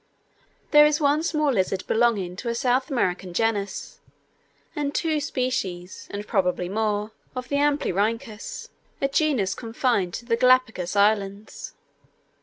There is one small lizard belonging to a South American genus, and two species (and probably more) of the Amblyrhynchus a genus confined to the Galapagos Islands.